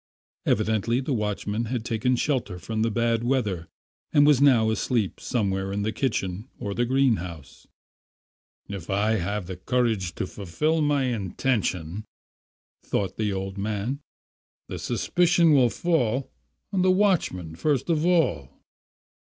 Evidently the watchman had taken shelter from the bad weather and was now asleep somewhere in the kitchen or the greenhouse. "If I have the courage to fulfil my intention," thought the old man, "the suspicion will fall on the watchman first of all."